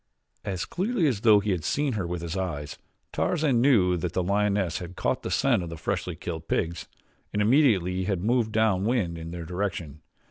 As clearly as though he had seen her with his eyes, Tarzan knew that the lioness had caught the scent of the freshly killed pigs and immediately had moved down wind in their direction.